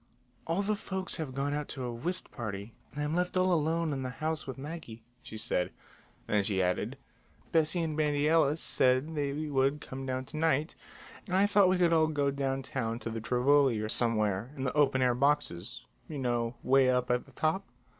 "All the folks have gone out to a whist party, and I'm left all alone in the house with Maggie," she said. Then she added: "Bessie and Bandy Ellis said they would come down to night, and I thought we could all go downtown to the Tivoli or somewhere, in the open air boxes, you know, way up at the top."